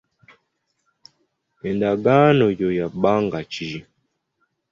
Endagaana yo ya bbanga ki?